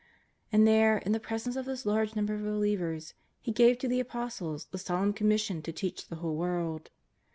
And there, in presence of this large number of believers, He gave to the Apos tles the solemn commission to teach the whole world.